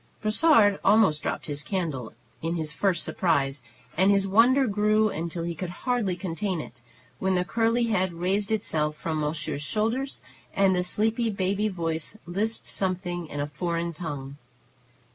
Brossard almost dropped his candle in his first surprise, and his wonder grew until he could hardly contain it, when the curly head raised itself from monsieur's shoulder, and the sleepy baby voice lisped something in a foreign tongue.